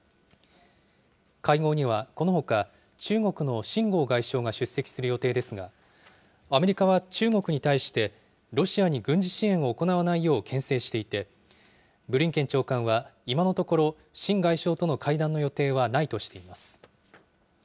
会合にはこのほか、中国の秦剛外相が出席する予定ですが、アメリカは中国に対して、ロシアに軍事支援を行わないようけん制していて、ブリンケン長官は、今のところ、秦外相との会談の予定はないとしています。